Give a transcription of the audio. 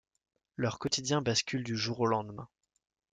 Leur quotidien bascule du jour au lendemain.